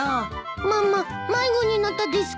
ママ迷子になったですか？